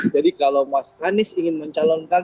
jadi kalau mas anies ingin mencalonkan